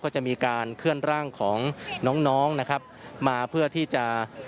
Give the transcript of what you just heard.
ก็จะมีการเคลื่อนร่างของน้องน้องนะครับมาเพื่อที่จะ